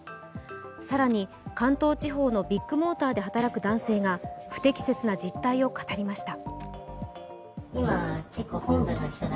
更に、関東地方のビッグモーターで働く男性が不適切な実態を語りました。